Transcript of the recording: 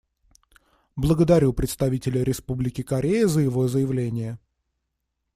Благодарю представителя Республики Корея за его заявление.